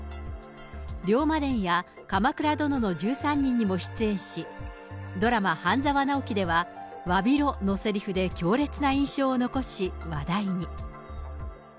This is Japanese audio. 龍馬伝や鎌倉殿の１３人にも出演し、ドラマ、半沢直樹ではわびろなどのせりふで強烈な印象を残し、話題に。